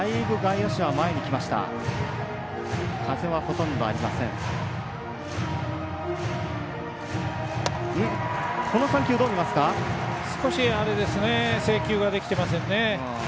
少し制球ができてませんね。